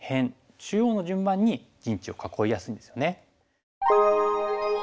中央の順番に陣地を囲いやすいんですよね。